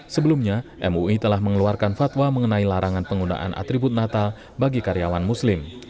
sebelumnya mui telah mengeluarkan fatwa mengenai larangan penggunaan atribut natal bagi karyawan muslim